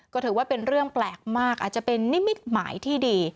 ก็ถือว่าเป็นเรื่องแปลกมากอาจจะเป็นนิมิตหมายที่ดี